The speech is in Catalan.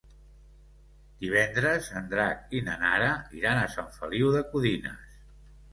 Divendres en Drac i na Nara iran a Sant Feliu de Codines.